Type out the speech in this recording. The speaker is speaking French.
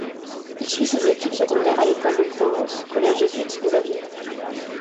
Il suit ses études secondaires à l'École de Provence, collège jésuite de la ville.